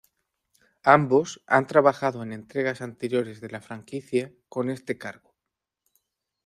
Ambos han trabajado en entregas anteriores de la franquicia con este cargo.